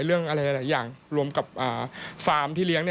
เรื่องอะไรหลายอย่างรวมกับฟาร์มที่เลี้ยง